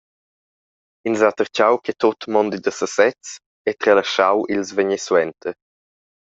Ins ha tertgau che tut mondi da sesez e tralaschau ils vegnentsuenter.